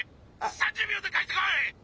３０秒で帰ってこい！